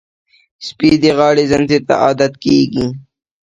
سپي د غاړې زنځیر ته عادت کېږي.